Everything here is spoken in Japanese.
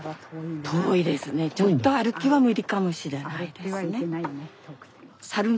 ちょっと歩きは無理かもしれないですね。